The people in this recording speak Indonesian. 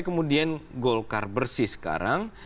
kemudian golkar bersih sekarang